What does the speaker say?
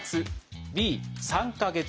Ｂ３か月後。